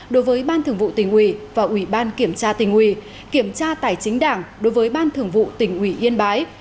đối với ban thưởng vụ tình hủy và ubnd tp hcm kiểm tra tài chính đảng đối với ban thưởng vụ tình hủy yên bái